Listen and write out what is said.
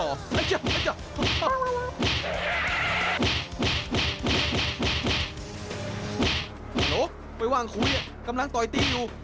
โอ้โหไปว่างคุยกำลังต่อยติ้งอยู่